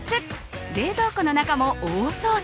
冷蔵庫の中も大掃除